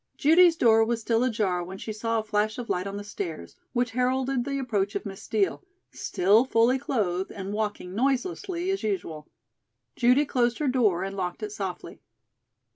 Judy's door was still ajar when she saw a flash of light on the stairs, which heralded the approach of Miss Steel, still fully clothed, and walking noiselessly as usual. Judy closed her door and locked it softly.